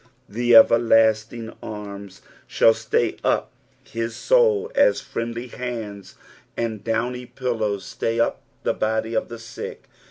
The everlostiDg anns shall stay up his aoul aa friendly hands and downy pillows stay up the body of the sick.